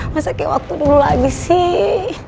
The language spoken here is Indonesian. masa kayak waktu dulu lagi sih